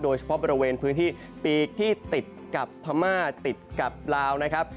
โดยเฉพาะบริเวณพื้นที่ปีกที่ติดกับพม่าติดกับลาวนะครับ